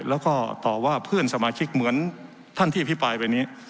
แล้วก็ต่อว่าเพื่อนสมาชิกเหมือนท่านที่อภิปรายไปนี้